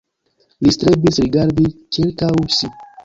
Li strebis rigardi ĉirkaŭ si.